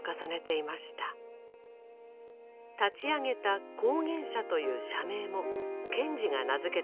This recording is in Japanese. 立ち上げた「光原社」という社名も賢治が名付けたものです。